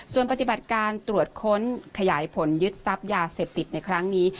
ส่วนปฏิบัติการตรวจค้นขยายผลยึดทรัพย์ยาเสพติดในครั้งนี้